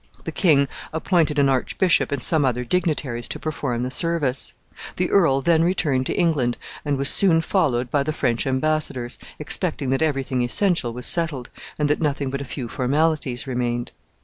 The king appointed an archbishop and some other dignitaries to perform the service. The earl then returned to England, and was soon followed by the French embassadors, expecting that every thing essential was settled, and that nothing but a few formalities remained.